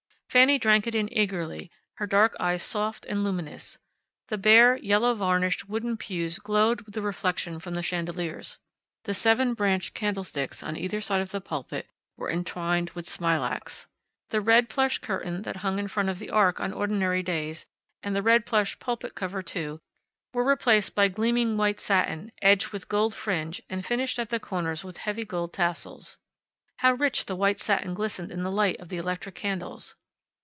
Fanny drank it in eagerly, her dark eyes soft and luminous. The bare, yellow varnished wooden pews glowed with the reflection from the chandeliers. The seven branched candlesticks on either side of the pulpit were entwined with smilax. The red plush curtain that hung in front of the Ark on ordinary days, and the red plush pulpit cover too, were replaced by gleaming white satin edged with gold fringe and finished at the corners with heavy gold tassels. How the rich white satin glistened in the light of the electric candles!